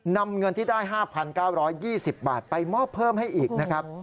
นำเงินที่ได้๕๙๒๐บาทไปมอบเพิ่มให้อีกนะครับ